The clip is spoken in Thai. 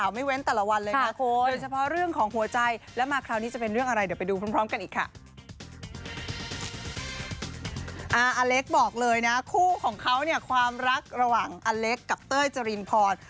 เล็กบอกเลยนะคู่ของเขาเนี่ยความรักระหว่างอเล็กกับเต้ยจรินพร